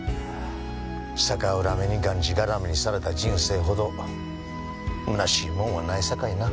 逆恨みにがんじがらめにされた人生ほどむなしいもんはないさかいな。